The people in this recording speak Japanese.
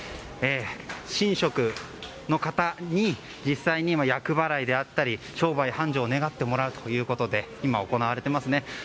神職の方に実際に厄払いであったり商売繁盛を願ってもらうということで今行われてますね。